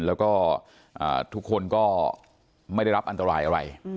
แล้วก็ทุกคนก็ไม่ได้รับอันตรายอะไร